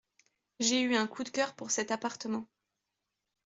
J'ai eu un coup de cœur pour cet appartement.